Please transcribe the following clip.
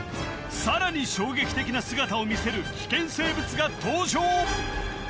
さらに衝撃的な姿を見せる危険生物が登場！